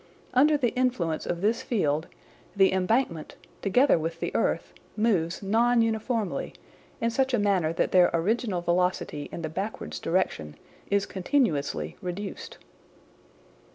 Under the influence of this field, the embankment together with the earth moves non uniformly in such a manner that their original velocity in the backwards direction is continuously reduced."